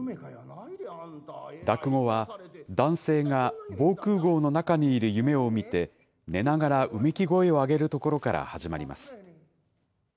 落語は、男性が防空ごうの中にいる夢を見て、寝ながらうめき声を上げるところから始まります。